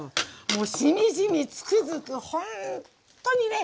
もうしみじみつくづくほんっとにね